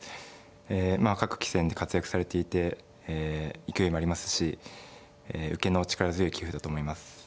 えまあ各棋戦で活躍されていて勢いもありますし受けの力強い棋風だと思います。